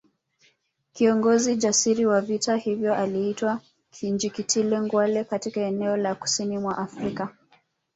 Kiongozi jasiri wa vita hivyo aliitwa Kinjekitile Ngwale katika eneo la kusini mwa Afrika